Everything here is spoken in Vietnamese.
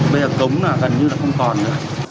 bây giờ cống là gần như là không còn nữa